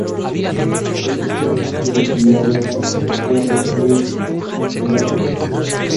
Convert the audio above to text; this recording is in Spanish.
No presenta registros de actividad volcánico, por lo cual se le considera extinto.